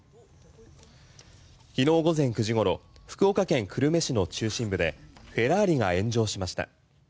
昨日午前９時ごろ福岡県久留米市の中心部でフェラーリが炎上しました。